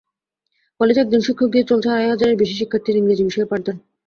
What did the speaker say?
কলেজে একজন শিক্ষক দিয়ে চলছে আড়াই হাজারের বেশি শিক্ষার্থীর ইংরেজি বিষয়ের পাঠদান।